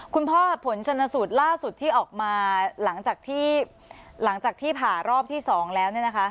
คุณพ่อผลชนสูตรล่าสุดที่ออกมาหลังจากที่ผ่ารอบที่สองแล้วเนี่ยนะคะ